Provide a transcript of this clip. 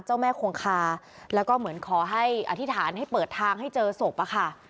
เจ้าแม่คงคาแล้วก็เหมือนขอให้อธิษฐานให้เปิดทางให้เจอศพอะค่ะ